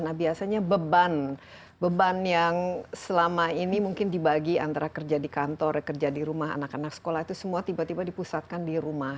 nah biasanya beban beban yang selama ini mungkin dibagi antara kerja di kantor kerja di rumah anak anak sekolah itu semua tiba tiba dipusatkan di rumah